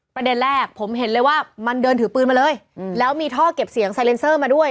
ประเด็นแรกผมเห็นเลยว่ามันเดินถือปืนมาเลยแล้วมีท่อเก็บเสียงไซเลนเซอร์มาด้วย